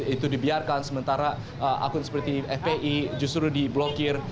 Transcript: itu dibiarkan sementara akun seperti fpi justru diblokir